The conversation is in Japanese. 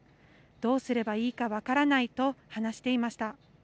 どうすればいいか分からないと話していました。